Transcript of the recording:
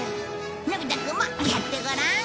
のび太くんもやってごらん。